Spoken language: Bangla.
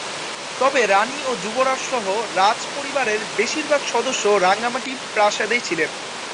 তবে রানী ও যুবরাজ সহ রাজপরিবারের বেশিরভাগ সদস্য রাঙ্গামাটি প্রাসাদে ছিলেন।